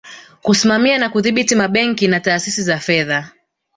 Kusimamia na kudhibiti mabenki na taasisi za fedha